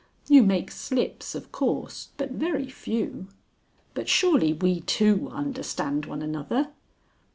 You make slips of course, but very few. But surely we two understand one another."